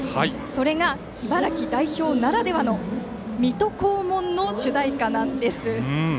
それが茨城代表ならではの「水戸黄門」の主題歌なんです。